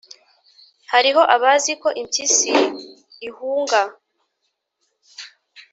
Hariho abazi uko impyisi ihunga